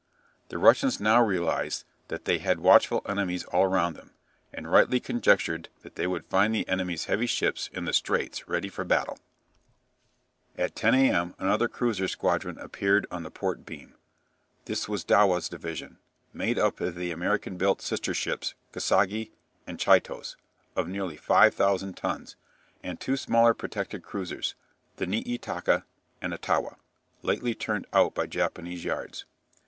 The Russians now realized that they had watchful enemies all round them, and rightly conjectured that they would find the enemy's heavy ships in the straits ready for battle. [Illustration: BATTLE OF TSU SHIMA. GENERAL MAP] At 10 a.m. another cruiser squadron appeared on the port beam. This was Dewa's division, made up of the American built sister ships "Kasagi" and "Chitose," of nearly 5000 tons, and two smaller protected cruisers, the "Niitaka" and "Otowa," lately turned out by Japanese yards.